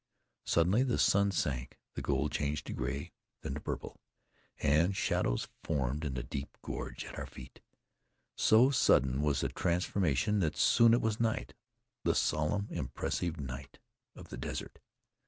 Suddenly the sun sank, the gold changed to gray, then to purple, and shadows formed in the deep gorge at our feet. So sudden was the transformation that soon it was night, the solemn, impressive night of the desert.